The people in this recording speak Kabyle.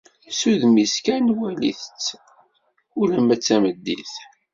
S udem-is kan walit-tt ulamma d tameddit.